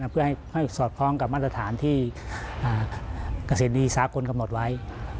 เพื่อให้สอดคล้องกับมาตรฐานที่เกษตรดีสากลกำหนดไว้